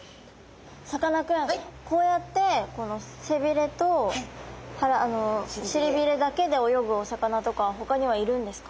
さかなクンこうやって背びれとしりびれだけで泳ぐお魚とかは他にはいるんですか？